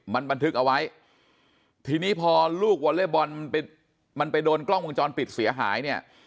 มันบันทึกเอาไว้ทีนี้พอลูกวอเล็กบอลมันไปมันไปโดนกล้องวงจรปิดเสียหายเนี่ย